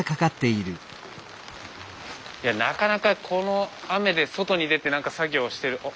いやなかなかこの雨で外に出てなんか作業してるあっ。